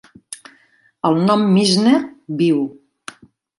El nom Mizner viu.